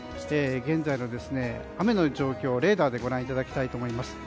現在の雨の状況をレーダーでご覧いただきたいと思います。